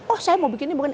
oh saya mau bikin ini bukan